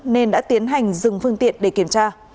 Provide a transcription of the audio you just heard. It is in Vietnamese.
nên đã tiến hành dừng phương tiện để kiểm tra